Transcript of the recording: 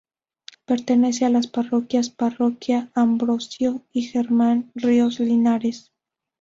Pertenece a las parroquias parroquia Ambrosio y Germán Ríos Linares.